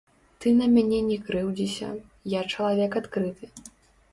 Ты на мяне не крыўдзіся, я чалавек адкрыты.